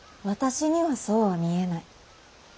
私にはそうは見えない。